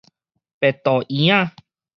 白肚圓仔